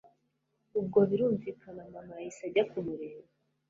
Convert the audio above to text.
ubwo birumvikana mama yahise ajya kumureba